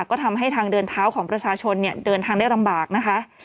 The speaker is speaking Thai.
ก็ทำให้ทางเดินเท้าของประชาชนเนี่ยเดินทางได้ลำบากนะคะ